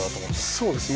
そうですね。